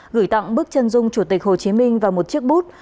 gửi tặng bức chân dung chủ tịch hồ chí minh vào một chiếc bút